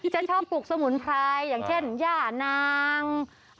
ฉันชอบปลูกสมุนไพรอย่างเช่นย่านาง